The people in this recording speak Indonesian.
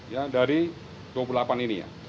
ya termasuk sembilan orang dari dua puluh delapan ini ya